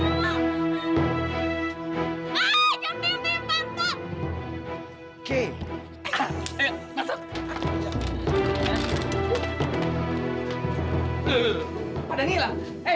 enggak gak mau gak mau aku terpakai rok gimana sih